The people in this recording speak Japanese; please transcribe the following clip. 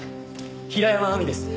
平山亜美です！